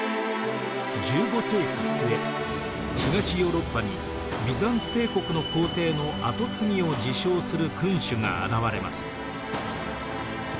東ヨーロッパにビザンツ帝国の皇帝の後継ぎを自称する君主が現れます。